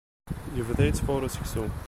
Yebda yettfuṛu seksu.